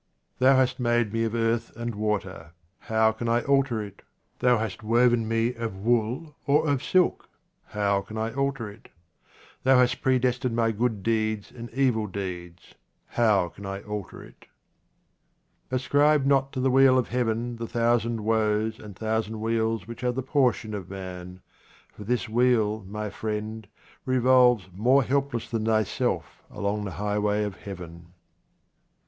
Thou hast made me of earth and water ; how can I alter it ? Thou hast woven me of wool or of silk ; how can I alter it ? Thou has pre destined my good deeds and evil deeds ; how can I alter it ? Ascribe not to the wheel of heaven the thousand woes and thousand weals which are the portion of man, for this wheel, my friend, 37 QUATRAINS OF OMAR KHAYYAM revolves more helpless than thyself along the highway of heaven.